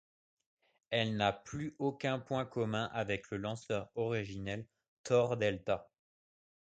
Elle n'a plus aucun point commun avec le lanceur originel Thor Delta.